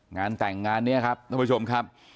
งานแต่งงานนี้ครับท่านผู้ชมครับ